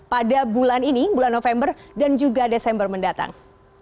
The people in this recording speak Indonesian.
pada bulan ini bulan november dan juga desember mendatang